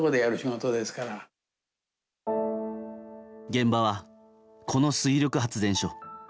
現場は、この水力発電所。